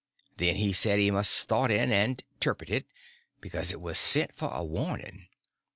Then he said he must start in and "'terpret" it, because it was sent for a warning.